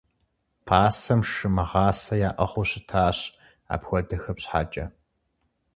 Пасэм шы мыгъасэ яӏыгъыу щытащ апхуэдэхэм щхьэкӏэ.